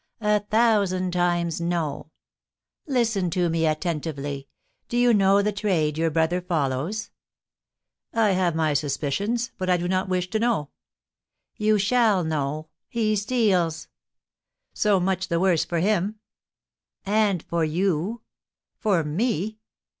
A thousand times, no!' Listen to me attentively! Do you know the trade your brother follows?" "I have my suspicions; but I do not wish to know." "You shall know. He steals!" "So much the worse for him!" "And for you!" "For me?"